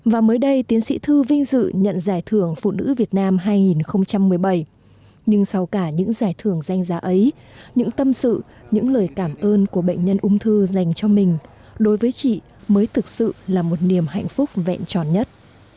và mới đây tiến sĩ thư vinh dự nhận giải thưởng phụ nữ việt nam hai nghìn một mươi bảy nhưng sau cả những giải thưởng danh giá ấy những tâm sự những lời cảm ơn của bệnh nhân ung thư dành cho mình đối với chị mới thực sự là một niềm hạnh phúc vẹn tròn nhất